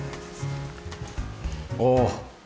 おお。